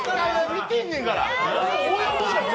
見てんねんから。